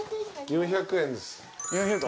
４００円です。